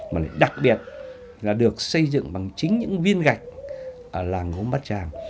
mà đặc biệt là được xây dựng bằng chính những viên gạch ở làng gốm bát tràng